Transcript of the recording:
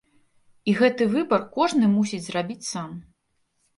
І гэты выбар кожны мусіць зрабіць сам.